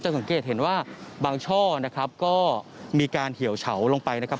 สังเกตเห็นว่าบางช่อนะครับก็มีการเหี่ยวเฉาลงไปนะครับ